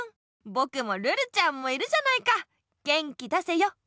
ぼくもルルちゃんもいるじゃないか元気出せよ！